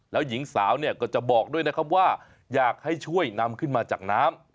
แล้วหญิงสาวเนี่ยก็จะบอกด้วยนะครับว่าอยากให้ช่วยนำขึ้นมาจากน้ำ